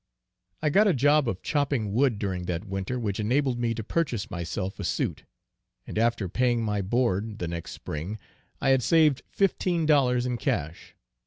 I got a job of chopping wood during that winter which enabled me to purchase myself a suit, and after paying my board the next spring, I had saved fifteen dollars in cash.